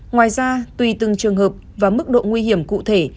ngoài ra tùy từng trường hợp và mức độ nguy hiểm cụ thể